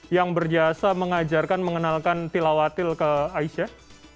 yang berjasa mengajarkan mengenalkan tilawatil ke aisyah